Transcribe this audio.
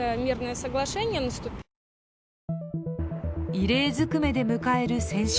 異例ずくめで迎える戦勝